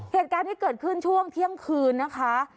เหตุการณ์ที่เกิดขึ้นช่วงเที่ยงคืนนะคะ